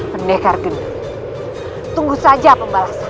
pendekar gendut tunggu saja pembalasan